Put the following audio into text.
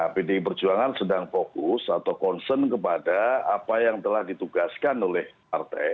pdi perjuangan sedang fokus atau concern kepada apa yang telah ditugaskan oleh partai